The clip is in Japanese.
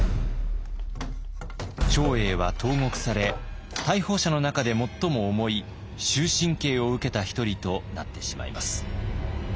長英は投獄され逮捕者の中で最も重い終身刑を受けた一人となってしまいます。